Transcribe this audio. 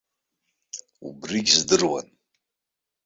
Убригь здыруан.